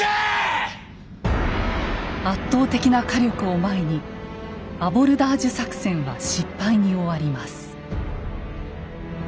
圧倒的な火力を前にアボルダージュ作戦は失敗に終わります。